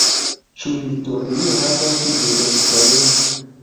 Ĉu historio havas direkton?